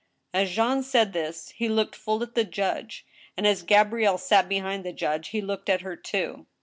As Jean said this, he looked full at the judge, and, as Gabrielle sat behind the judge, he looked at her too.